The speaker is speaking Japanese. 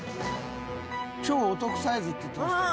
超お得サイズって言ってました。